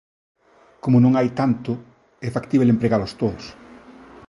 Como non hai tanto, é factíbel empregalos todos.